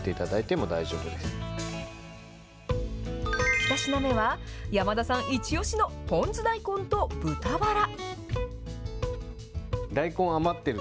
２品目は、山田さん一押しのポン酢大根と豚ばら。